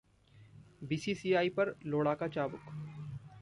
BCCI पर लोढ़ा का चाबुक